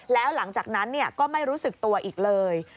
แล้วหลังจากนั้นก็ไม่รู้สึกตัวอีกเลย